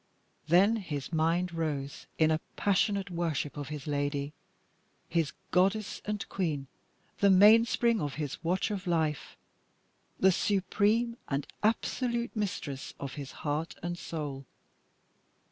Then his mind rose in passionate worship of his lady. His goddess and Queen the mainspring of his watch of life the supreme and absolute mistress of his heart and soul.